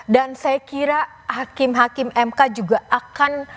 dan saya kira hakim hakim mk juga akan